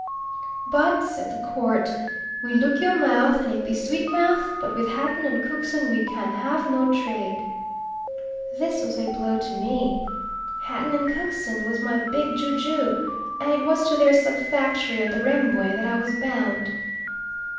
But, said the Court: "We look your mouth and it be sweet mouth, but with Hatton and Cookson we can have no trade." This was a blow to me. Hatton and Cookson was my big Ju Ju, and it was to their sub factory on the Rembwe that I was bound.